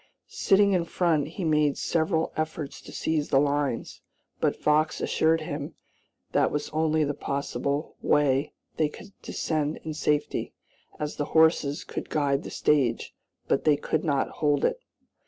Sitting in front he made several efforts to seize the lines. But Fox assured him that was the only possible way they could descend in safety, as the horses could guide the stage, but they could not hold it.